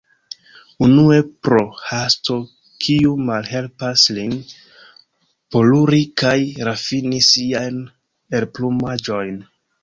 Unue pro hasto, kiu malhelpas lin poluri kaj rafini siajn elplumaĵojn.